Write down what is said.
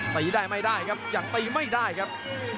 ตีได้ไม่ได้ครับยังตีไม่ได้ครับ